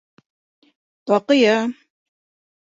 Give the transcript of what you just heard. Таҡыя.